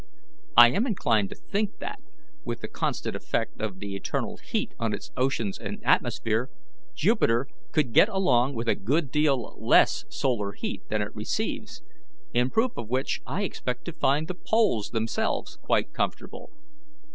I am inclined to think that, with the constant effect of the internal heat on its oceans and atmosphere, Jupiter could get along with a good deal less solar heat than it receives, in proof of which I expect to find the poles themselves quite comfortable.